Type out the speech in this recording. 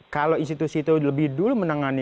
kalau institusi itu lebih dulu menangani